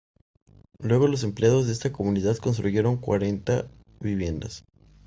Luego los empleados de esta comunidad construyeron cuarenta viviendas.